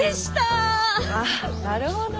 ああなるほど。